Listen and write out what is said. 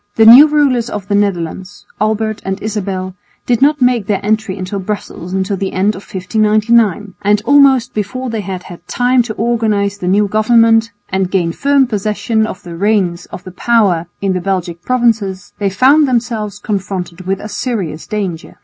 The new rulers of the Netherlands, Albert and Isabel, did not make their entry into Brussels until the end of 1599; and almost before they had had time to organise the new government and gain firm possession of the reins of power in the Belgic provinces, they found themselves confronted with a serious danger.